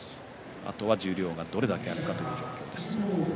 あとは十両がどれだけ空くかという状況です。